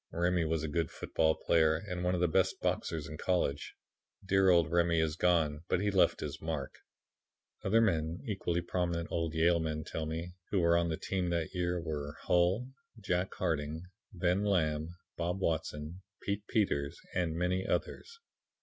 "Remy was a good football player and one of the best boxers in college. Dear Old Remy is gone, but he left his mark." Other men, equally prominent old Yale men tell me, who were on the team that year were Hull, Jack Harding, Ben Lamb, Bob Watson, Pete Peters and many others.